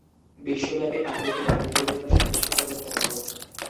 বিশ্বব্যাপী আগ্রহী ব্যক্তিদের জন্য সদস্যপদ উন্মুক্ত।